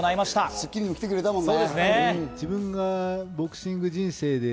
『スッキリ』にも来てくれたもんね。